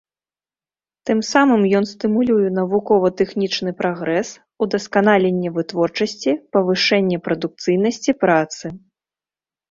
Тым самым ён стымулюе навукова-тэхнічны прагрэс, удасканаленне вытворчасці, павышэнне прадукцыйнасці працы.